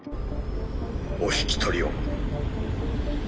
お引き取りを。